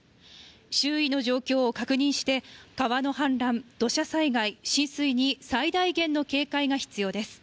周囲の状況を確認して、川の氾濫、土砂災害、浸水に最大限の警戒が必要です。